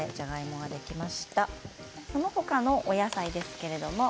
その他のお野菜ですけれども。